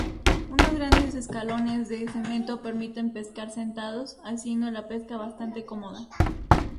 Unos grandes escalones de cemento permiten pescar sentados, haciendo la pesca bastante cómoda.